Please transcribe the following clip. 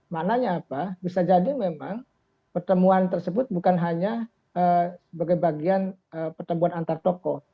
maknanya apa bisa jadi memang pertemuan tersebut bukan hanya sebagai bagian pertemuan antar tokoh